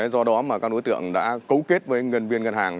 do đó mà các đối tượng đã cấu kết với nhân viên ngân hàng